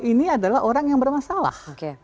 ini adalah orang yang bermasalah